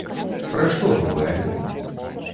Пра што новы альбом?